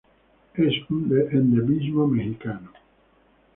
Es un endemismo mexicano.